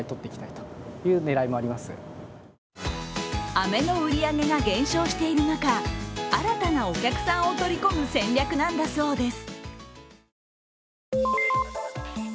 飴の売り上げが減少している中新たなお客さんを取り込む戦略なんだそうです。